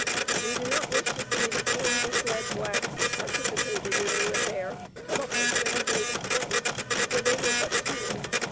We do not wish to see the poor misled blacks who participated in the affair, suffer to any great extent, for they were but tools.